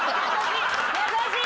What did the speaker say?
優しい！